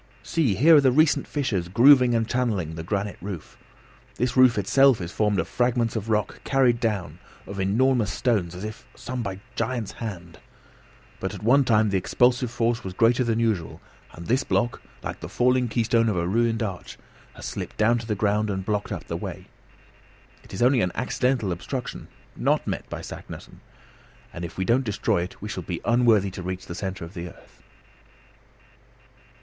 See here are recent fissures grooving and channelling the granite roof. This roof itself is formed of fragments of rock carried down, of enormous stones, as if by some giant's hand; but at one time the expulsive force was greater than usual, and this block, like the falling keystone of a ruined arch, has slipped down to the ground and blocked up the way. It is only an accidental obstruction, not met by Saknussemm, and if we don't destroy it we shall be unworthy to reach the centre of the earth."